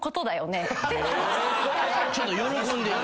ちょっと喜んでる。